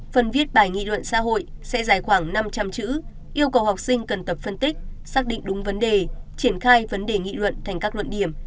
phần viết bài nghị luận xã hội sẽ dài khoảng năm trăm linh chữ yêu cầu học sinh cần tập phân tích xác định đúng vấn đề triển khai vấn đề nghị luận thành các luận điểm